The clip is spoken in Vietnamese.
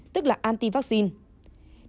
tức là anti vaccine